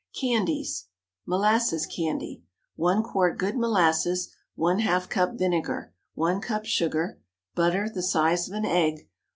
CANDIES. MOLASSES CANDY. ✠ 1 quart good molasses. ½ cup vinegar. 1 cup sugar. Butter the size of an egg.